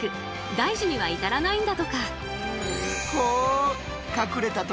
大事には至らないんだとか。